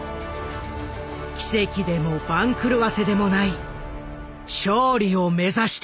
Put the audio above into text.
奇跡でも番狂わせでもない勝利を目指して。